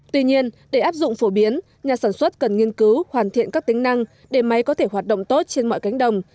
tuy nhiên để áp dụng phổ biến nhà sản xuất cần nghiên cứu hoàn thiện các tính năng để máy có thể hoạt động tốt trên mọi cánh đồng